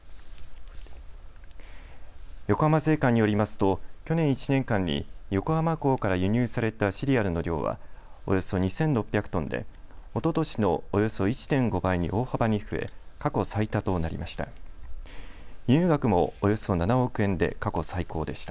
横浜税関によりますと去年１年間に横浜港から輸入されたシリアルの量はおよそ２６００トンで、おととしのおよそ１．５倍と大幅に増え過去最多となりました。